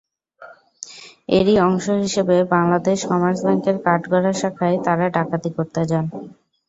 এরই অংশ হিসেবে বাংলাদেশ কমার্স ব্যাংকের কাঠগড়া শাখায় তারা ডাকাতি করতে যান।